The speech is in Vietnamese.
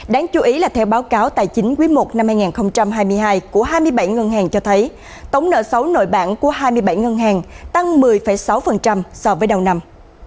đáng chú ý là theo báo cáo tài chính quý i năm hai nghìn hai mươi hai của hai mươi bảy ngân hàng cho thấy tổng nợ xấu nội bản của hai mươi bảy ngân hàng tăng một mươi sáu so với đầu năm